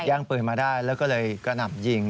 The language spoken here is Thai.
อย่างปืนมาได้แล้วก็เลยกระหน่ำยิง